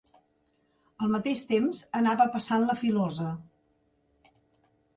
Al mateix temps, anava passant la filosa.